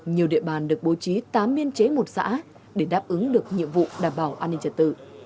nhiều địa bàn được bố trí tám biên chế một xã để đáp ứng được nhiệm vụ đảm bảo an ninh trật tự